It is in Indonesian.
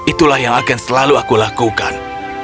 itulah yang akan selalu aku lakukan